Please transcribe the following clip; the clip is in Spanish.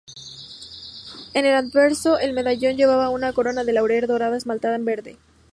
En el anverso, el medallón llevaba una corona de laurel dorada esmaltada en verde.